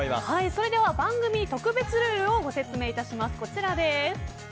それでは番組特別ルールをご説明いたします。